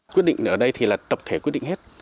quyết định ở đây thì là tập thể quyết định hết